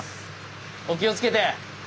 お気をつけて！